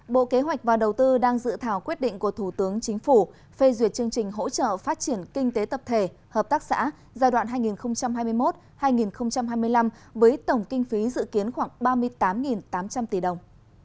bộ kế hoạch và đầu tư đang dự thảo quyết định của thủ tướng chính phủ phê duyệt chương trình hỗ trợ phát triển kinh tế tập thể hợp tác xã giai đoạn hai nghìn hai mươi một hai nghìn hai mươi năm với tổng kinh phí dự kiến khoảng ba mươi tám tám trăm linh tỷ đồng